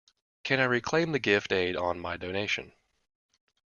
Can I reclaim the gift aid on my donation?